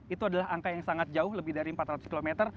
itu adalah angka yang sangat jauh lebih dari empat ratus km